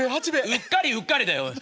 うっかりうっかりだよおい。